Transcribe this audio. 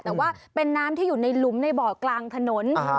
แต่ว่าเป็นน้ำที่อยู่ในหลุมในบ่อกลางถนน